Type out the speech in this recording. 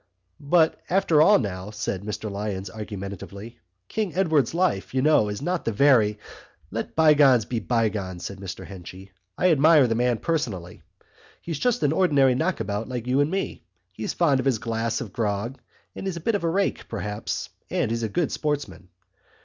"But after all now," said Mr Lyons argumentatively, "King Edward's life, you know, is not the very...." "Let bygones be bygones," said Mr Henchy. "I admire the man personally. He's just an ordinary knockabout like you and me. He's fond of his glass of grog and he's a bit of a rake, perhaps, and he's a good sportsman.